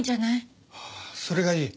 ああそれがいい。